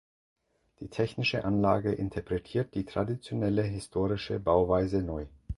Die technische Anlage interpretiert die traditionelle historische Bauweise neu.